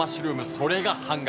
それが半額。